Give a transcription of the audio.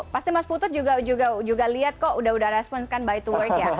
pasti mas putut juga lihat kok udah udah responkan bike to work ya